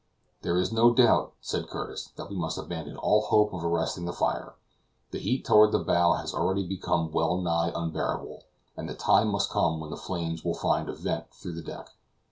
"There is no doubt," said Curtis, "that we must abandon all hope of arresting the fire; the heat toward the bow has already become well nigh unbearable, and the time must come when the flames will find a vent through the deck.